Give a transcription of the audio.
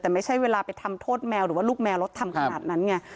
แต่ไม่ใช่เวลาไปทำโทษแมวหรือว่าลูกแมวแล้วทำขนาดนั้นไง